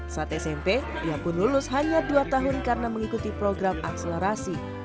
saat smp ia pun lulus hanya dua tahun karena mengikuti program akselerasi